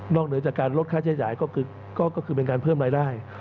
เหนือจากการลดค่าใช้จ่ายก็คือเป็นการเพิ่มรายได้